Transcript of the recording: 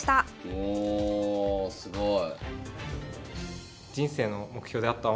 おすごい。